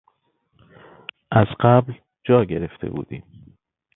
از قبل جا گرفته بودیم.